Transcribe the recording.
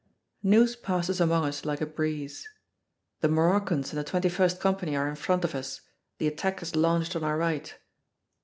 News passes among us like a breeze. "The Moroccans and the 21st Company are in front of us. The attack is launched on our right."